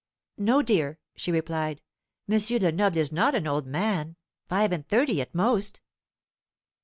"No, dear," she replied. "M. Lenoble is not an old man five and thirty at most."